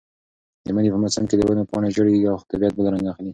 د مني په موسم کې د ونو پاڼې ژېړېږي او طبیعت بل رنګ اخلي.